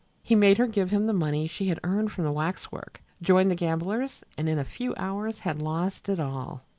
He made her give him the money she had earned from the waxwork, joined the gamblers and in a few hours had lost it all.